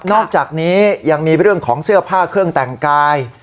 อกจากนี้ยังมีเรื่องของเสื้อผ้าเครื่องแต่งกาย